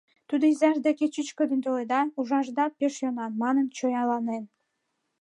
«Тудо изаж деке чӱчкыдын толеда, ужашда пеш йӧнан», — манын, чояланен.